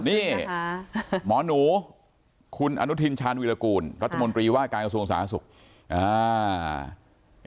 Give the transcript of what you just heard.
นี่หมอนูคุณอนุทินชาญวีรกูลรัฐมนตรีว่าการกระทรวงศาสตร์ศักดิ์ศุกร์